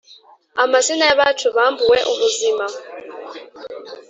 Amazina y'abacu bambuwe ubuzima